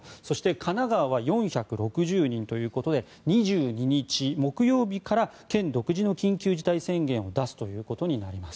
神奈川は４６０人ということで２２日、木曜日から県独自の緊急事態宣言を出すということになります。